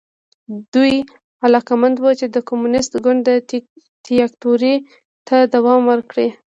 دوی علاقمند وو چې د کمونېست ګوند دیکتاتورۍ ته دوام ورکړي.